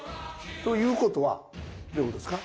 ということはどういうことですか？